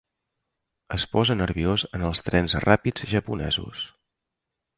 Es posa nerviós en els trens ràpids japonesos.